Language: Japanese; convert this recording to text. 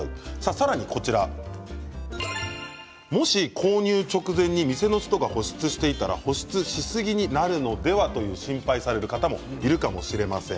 さらに、もし購入直前に店の人が保湿していたら保湿しすぎになるのではと心配をされる方もいるかもしれません。